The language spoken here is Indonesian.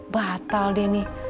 batal deh nih